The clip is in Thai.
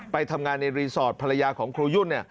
ไปทำงานในรีสอร์ทภรรยาของครูยุ่น